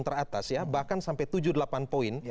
teratas bahkan sampai tujuh delapan poin